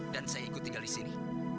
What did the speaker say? dan saya ikut tinggal di sini